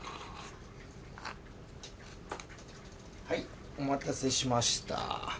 はいお待たせしました。